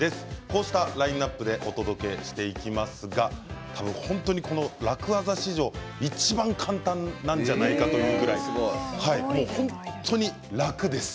こうしたラインナップでお届けしていきますが本当にこの楽ワザ史上いちばん簡単なんじゃないかというぐらい本当に楽です。